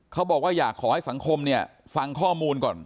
เขาบอกว่าอยากขอให้สังคมเนี่ยฟังข้อมูลก่อน